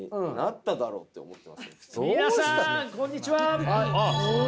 皆さん、こんにちは！